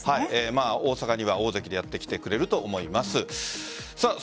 大阪には大関でやって来てくれると思います。